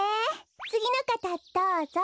つぎのかたどうぞ。